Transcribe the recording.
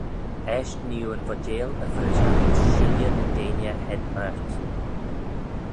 Eisht nee oo yn voteil y vrishey ayns shilley ny deiney hed mayrt.